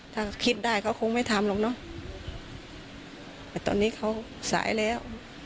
ถ้าคิดได้เขาคงไม่ทำหรอกเนอะแต่ตอนนี้เขาสายแล้ว